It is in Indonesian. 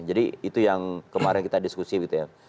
jadi itu yang kemarin kita diskusi gitu ya